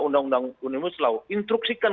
undang undang unimus lalu instruksikan